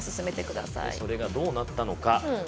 それがどうなったのか。